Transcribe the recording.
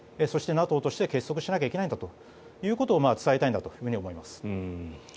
そしてＮＡＴＯとして結束しなきゃいけないんだということを伝えたいんだと思います。